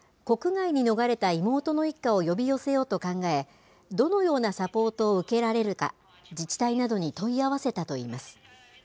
国外に逃れた妹の一家を呼び寄せようと考え、どのようなサポートを受けられるか、自治体などに問い合わせたといいます。